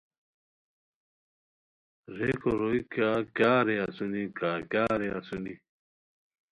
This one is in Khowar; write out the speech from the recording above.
ریکو روئے کا کیاغ رے اسونی کا کیاغ رے اسونی